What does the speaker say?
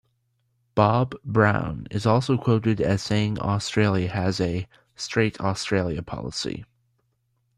Bob Brown is also quoted as saying Australia has a "straight Australia policy".